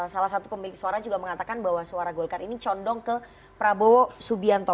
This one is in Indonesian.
salah satu pemilik suara juga mengatakan bahwa suara golkar ini condong ke prabowo subianto